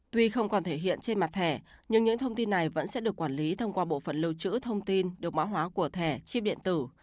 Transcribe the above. tuy không còn thể hiện trên mặt thẻ nhưng những thông tin này vẫn sẽ được quản lý thông qua bộ phận lưu trữ thông tin được mã hóa của thẻ chip điện tử